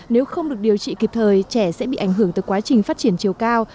nếu không được điều trị kịp thời trẻ sẽ bị ảnh hưởng từ quá trình phát triển chiều cao